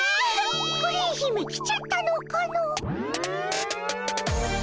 プリン姫来ちゃったのかの。